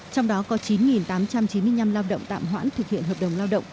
trong đó có chín tám trăm chín mươi năm lao động tạm hoãn thực hiện hợp đồng lao động